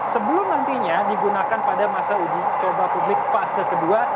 sebelum nantinya digunakan pada masa uji coba publik fase kedua